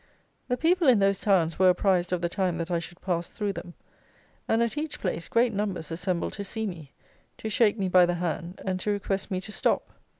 The people in those towns were apprised of the time that I should pass through them; and, at each place, great numbers assembled to see me, to shake me by the hand, and to request me to stop.